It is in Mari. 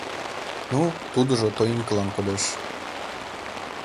Ну, тудыжо тоимкылан кодеш.